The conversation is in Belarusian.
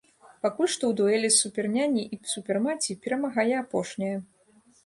Пакуль што ў дуэлі суперняні і супермаці перамагае апошняя.